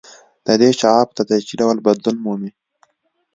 د دې شعاع په تدریجي ډول بدلون مومي